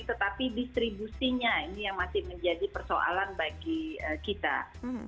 tetapi distribusinya ini yang masih menjadi persoalan bagi kita